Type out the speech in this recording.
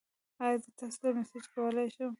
ایا زه تاسو ته میسج کولی شم؟